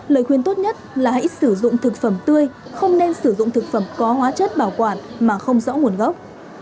lời khuyên tốt nhất là hãy sử dụng thực phẩm tươi không nên sử dụng thực phẩm có hóa chất bảo quản mà không rõ nguồn gốc